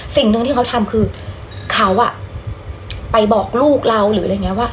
สิ่งหนึ่งที่เขาทำคือเขาอ่ะไปบอกลูกเราหรืออะไรอย่างนี้ว่า